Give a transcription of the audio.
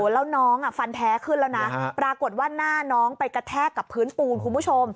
แล้วน้องฟันแท้ขึ้นแล้วนะปรากฏว่าหน้าน้องไปกระแทกกับพื้นปูนคุณผู้ชม